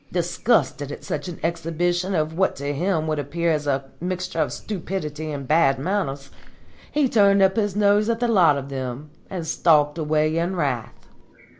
Disgusted at such an exhibition of what to him would appear as a mixture of stupidity and bad manners, he turned up his nose at the lot of them and stalked away in wrath.